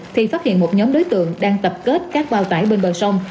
thì phát hiện một nhóm đối tượng đang tập kết các bao tải bên bờ sông